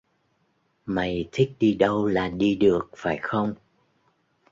Mày thích đi đâu là đi được phải không